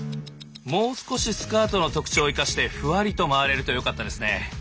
もう少しスカートの特徴を生かしてふわりと回れるとよかったですね。